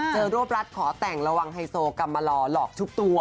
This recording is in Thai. รวบรัดขอแต่งระวังไฮโซกรรมลอหลอกทุกตัว